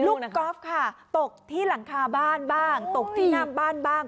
ลูกกอล์ฟตกที่หลังคาบ้านบ้างน่ะมบ้าง